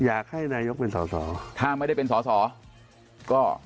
อยากให้นายกเป็นสอสอถ้าไม่ได้เป็นสอสอก็